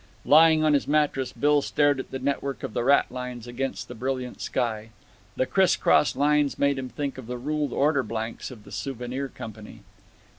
Lying on his mattress, Bill stared at the network of the ratlines against the brilliant sky. The crisscross lines made him think of the ruled order blanks of the Souvenir Company.